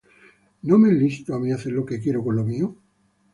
¿No me es lícito á mi hacer lo que quiero con lo mío?